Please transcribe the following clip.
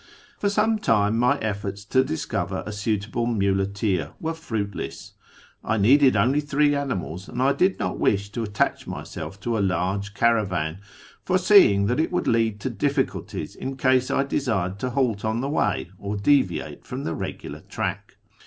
Yov some time my efforts to discover a suitable muleteer were fruitless. I only needed three animals, and I did not wish to attach myself to a large caravan, foreseeing that it would lead to difficulties in case I desired to halt on the way or deviate from the regular track.